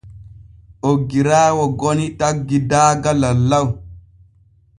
Oggiraawo goni taggi daaga lallaw.